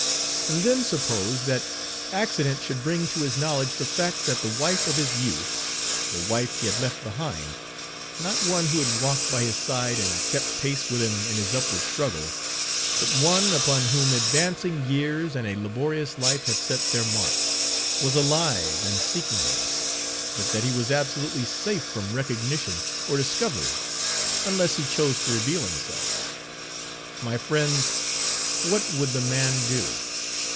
And then suppose that accident Page 22 should bring to his knowledge the fact that the wife of his youth, the wife he had left behind him, not one who had walked by his side and kept pace with him in his upward struggle, but one upon whom advancing years and a laborious life had set their mark, was alive and seeking him, but that he was absolutely safe from recognition or discovery, unless he chose to reveal himself. My friends, what would the man do?